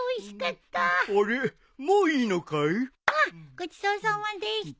ごちそうさまでした。